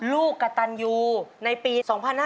ลูกกระตันยูในปี๒๕๕๙